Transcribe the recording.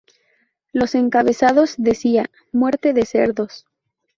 Los encabezados decía "Muerte de cerdos!